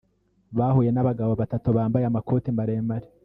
bahuye n’abagabo batatu bambaye amakoti maremare